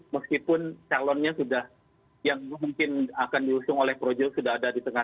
meskipun calonnya sudah yang mungkin akan diusung oleh projo sudah ada di tengah